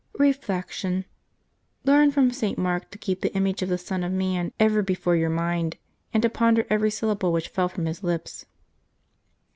Reflection. — Learn from St. Mark to keep the image of the Son of man ever before your mind, and to ponder every syllable which fell from His lips.